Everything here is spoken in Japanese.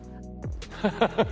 ハハハハ。